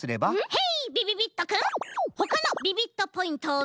ヘイびびびっとくんほかのビビットポイントをみせて。